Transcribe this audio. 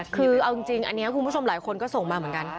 คือเอาจริงอันนี้คุณผู้ชมหลายคนก็ส่งมาเหมือนกัน